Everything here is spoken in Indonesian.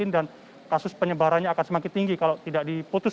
dan kasus penyebarannya akan semakin tinggi kalau tidak diputus